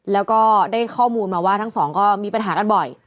แล้วก็ได้ข้อมูลมาว่าทั้งสองก็มีปัญหากันบ่อย